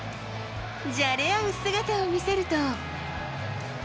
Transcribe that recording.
じゃれ合う姿を見せると。